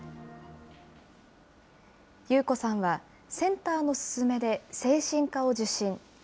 ユウコさんは、センターの勧めで精神科を受診。